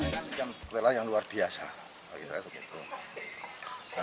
saya kasihkan ketela yang luar biasa